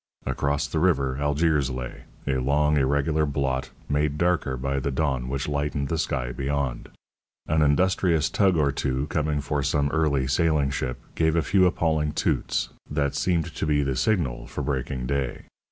Across the river Algiers lay, a long, irregular blot, made darker by the dawn which lightened the sky beyond. An industrious tug or two, coming for some early sailing ship, gave a few appalling toots, that seemed to be the signal for breaking day.